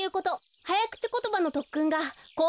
はやくちことばのとっくんがこうかてきでしょう。